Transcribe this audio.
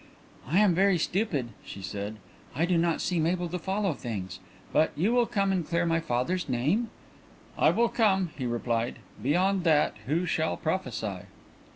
"I am very stupid," she said. "I do not seem able to follow things. But you will come and clear my father's name?" "I will come," he replied. "Beyond that who shall prophesy?"